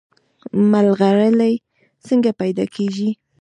ملغلرې څنګه پیدا کیږي؟